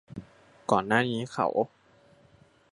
ก่อนหน้านี้เขา